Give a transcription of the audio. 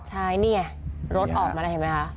ใช่เนี่ยรถออกมาเลยเห็นมั้ยคะ